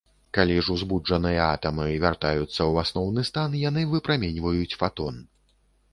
Калі ж узбуджаныя атамы вяртаюцца ў асноўны стан, яны выпраменьваюць фатон.